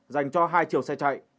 dành cho hai chiều xe chạy